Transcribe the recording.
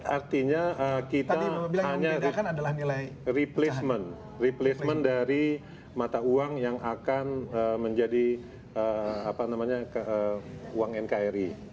artinya kita hanya replacement replacement dari mata uang yang akan menjadi uang nkri